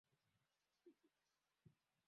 inaelimika sana kuhusu adhari za kimazingira